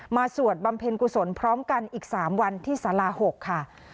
สวดบำเพ็ญกุศลพร้อมกันอีก๓วันที่สารา๖ค่ะ